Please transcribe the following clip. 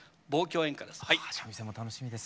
三味線も楽しみです。